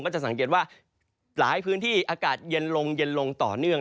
จะสังเกตว่าหลายพื้นที่อากาศเย็นลงเย็นลงต่อเนื่อง